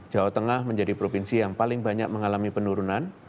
jawa tengah menjadi provinsi yang paling banyak mengalami penurunan